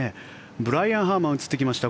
ブライアン・ハーマン映ってきました。